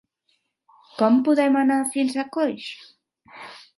Com podem anar fins a Coix?